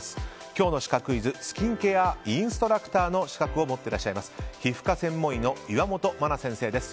今日のシカクイズスキンケアインストラクターの資格を持ってらっしゃいます皮膚科専門医の岩本麻奈先生です。